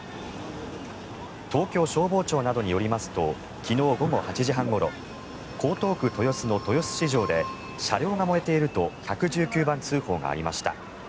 東京消防庁などによりますと昨日午後８時半ごろ江東区豊洲の豊洲市場で車両が燃えていると１１９番通報がありました。